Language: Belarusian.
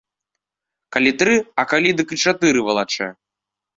Калі тры, а калі дык і чатыры валачэ.